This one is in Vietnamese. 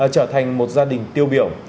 trở thành một gia đình tiêu biểu